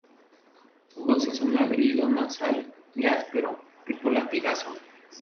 Su voz es un ladrido nasal y áspero, tipo latigazo.